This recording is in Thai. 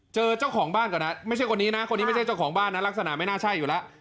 เจอเจ้าของบ้านก่อนนะไม่ใช่คนนี้นะคนนี้ไม่ใช่เจ้าของบ้านนะลักษณะไม่น่าใช่อยู่แล้ว